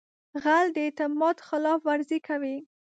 غل د اعتماد خلاف ورزي کوي